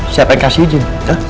siapa yang kasih izin